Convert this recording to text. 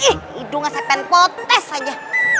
hidungnya sepen potes aja